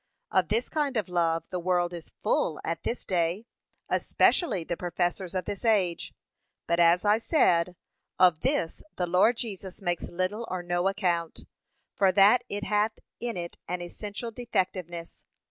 Of this kind of love the world is full at this day, especially the professors of this age; but as I said, of this the Lord Jesus makes little or no account, for that it hath in it an essential defectiveness.